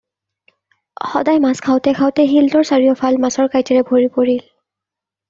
সদায় মাছ খাওঁতে খাওঁতে শিলটোৰ চাৰিওফাল মাছৰ কাঁইটেৰে ভৰি পৰিল।